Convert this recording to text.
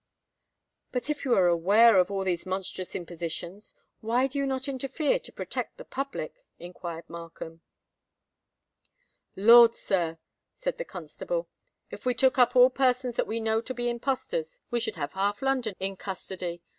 "But if you be aware of all these monstrous impositions, why do you not interfere to protect the public?" inquired Markham. "Lord, sir!" said the constable, "if we took up all persons that we know to be impostors, we should have half London in custody.